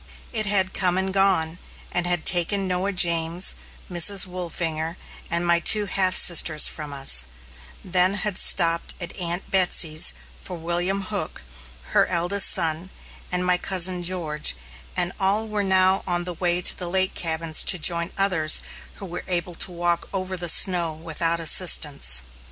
It had come and gone, and had taken Noah James, Mrs. Wolfinger, and my two half sisters from us; then had stopped at Aunt Betsy's for William Hook, her eldest son, and my Cousin George, and all were now on the way to the lake cabins to join others who were able to walk over the snow without assistance.